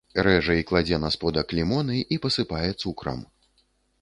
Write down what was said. Рэжа і кладзе на сподак лімоны і пасыпае цукрам.